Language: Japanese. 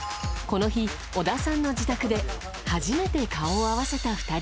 この日、尾田さんの自宅で初めて顔を合わせた２人。